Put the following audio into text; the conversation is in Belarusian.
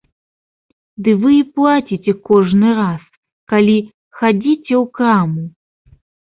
Ды вы і плаціце кожны раз, калі хадзіце ў краму.